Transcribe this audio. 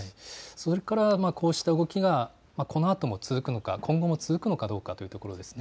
それから、こうした動きがこのあとも続くのか、今後も続くのかどうかというところですね。